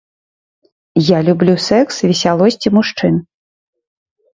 Я люблю сэкс, весялосць і мужчын.